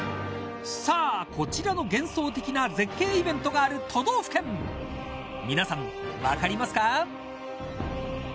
さあ、こちらの幻想的な絶景イベントがある都道府県、皆さん分かりますか？